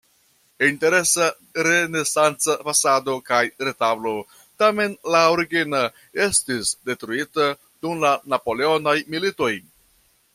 Interesa renesanca fasado kaj retablo, tamen la origina estis detruita dum la napoleonaj militoj.